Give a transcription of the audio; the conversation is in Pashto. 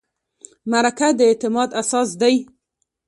مرکه د اعتماد اساس دی.